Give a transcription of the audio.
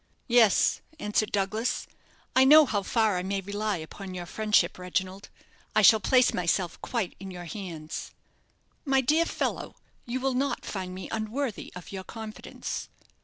"Yes," answered Douglas. "I know how far I may rely upon your friendship, Reginald. I shall place myself quite in your hands." "My dear fellow, you will not find me unworthy of your confidence."